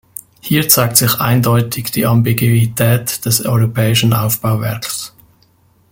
Hier zeigt sich eindeutig die Ambiguität des europäischen Aufbauwerks.